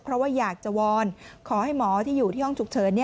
เพราะว่าอยากจะวอนขอให้หมอที่อยู่ที่ห้องฉุกเฉิน